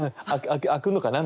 開くのかな？